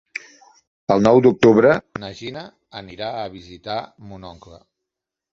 El nou d'octubre na Gina anirà a visitar mon oncle.